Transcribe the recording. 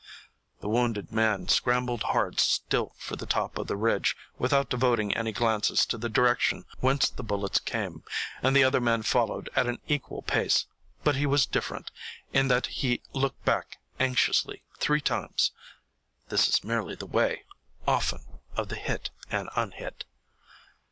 The wounded man scrambled hard still for the top of the ridge without devoting any glances to the direction whence the bullets came, and the other man followed at an equal pace; but he was different, in that he looked back anxiously three times. This is merely the way often of the hit and unhit.